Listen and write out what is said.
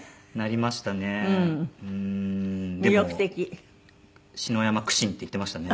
うんでも篠山苦心って言ってましたね。